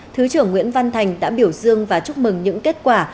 thứ trưởng nguyễn văn thành đã biểu dương và chúc mừng những kết quả